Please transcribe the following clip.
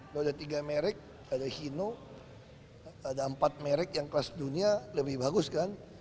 ada tiga merek ada hino ada empat merek yang kelas dunia lebih bagus kan